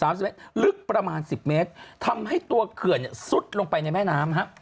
๓๐เมตรลึกประมาณ๑๐เมตรทำให้ตัวเคือนสุดลงไปในแม่น้ำ